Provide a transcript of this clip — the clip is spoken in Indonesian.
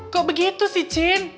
kok begitu sih cin